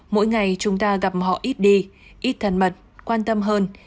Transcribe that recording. mỗi ngày chúng ta gặp họ ít đi ít thân mật quan tâm hơn